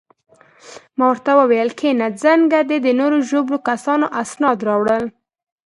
ما ورته وویل: کښېنه، څنګه چې د نورو ژوبلو کسانو اسناد راوړل شول.